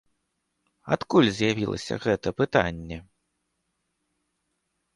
Адкуль з'явілася гэтае пытанне?